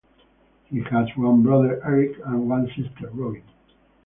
He has one brother Eric and one sister Robin.